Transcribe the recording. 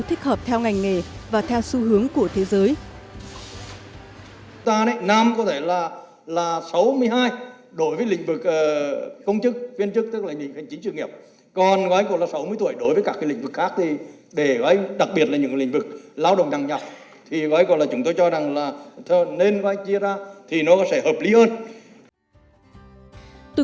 thích hợp theo ngành nghề và theo xu hướng của thế giới